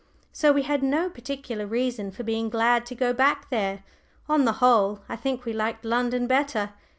So we had no particular reason for being glad to go back there; on the whole, I think we liked London better.